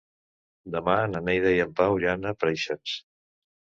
Demà na Neida i en Pau iran a Preixens.